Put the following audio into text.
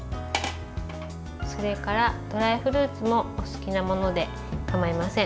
それから、ドライフルーツもお好きなもので構いません。